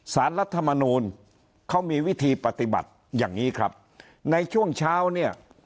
รัฐมนูลเขามีวิธีปฏิบัติอย่างนี้ครับในช่วงเช้าเนี่ย